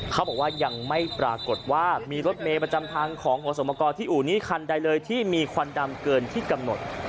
เขาบอกว่ายังไม่ปรากฏว่ามีรถเมย์ประจำทางของหัวสมกรที่อู่นี้คันใดเลยที่มีควันดำเกินที่กำหนด